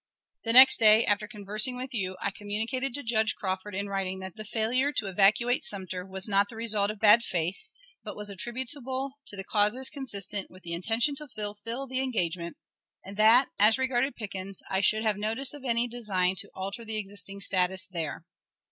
The next day, after conversing with you, I communicated to Judge Crawford in writing that the failure to evacuate Sumter was not the result of bad faith, but was attributable to causes consistent with the intention to fulfill the engagement, and that, as regarded Pickens, I should have notice of any design to alter the existing status there.